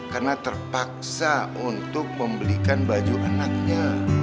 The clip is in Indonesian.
karena terpaksa untuk membelikan baju anaknya